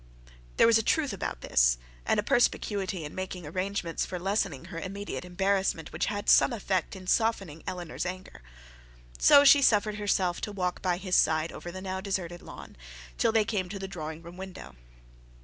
There was a truth about this, and a perspicuity in making arrangements for lessening her immediate embarrassment, which had some effect in softening Eleanor's anger. So she suffered herself to walk by his side over the now deserted lawn, till they came to the drawing room window.